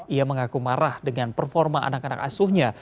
ia mengaku marah dengan performa anak anak asuhnya